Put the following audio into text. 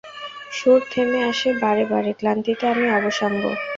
সুর থেমে আসে বারে বারে, ক্লান্তিতে আমি অবশাঙ্গ।